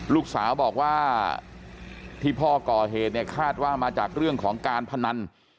ลูกสาวบอกว่าที่พ่อก่อเหตุเนี่ยคาดว่ามาจากเรื่องของการพนัน